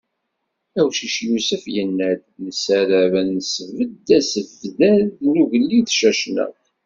Awcic Yusef, yenna-d: "Nessaram ad nesbedd asebddad n ugellid Cacnaq."